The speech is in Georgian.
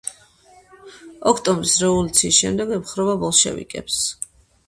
ოქტომბრის რევოლუციის შემდეგ ემხრობა ბოლშევიკებს.